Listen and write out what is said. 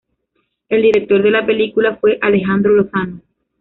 El director de la película fue Alejandro Lozano.